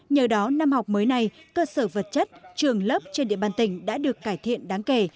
nhờ đó năm học mới này cơ sở vật chất trường lớp trên địa bàn tỉnh đã được cải thiện đáng kể